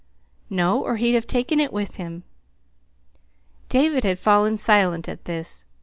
"No, or he'd have taken it with him." David had fallen silent at this.